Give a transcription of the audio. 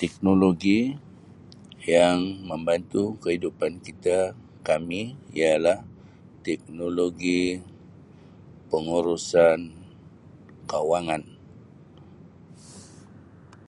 Teknologi yang membantu kehidupan kita kami ialah teknologi pengurusan kawangan.